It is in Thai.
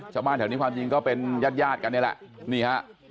ชาวบ้านแถวนี้ความจริงก็เป็นญาติญาติกันนี่แหละนี่ฮะ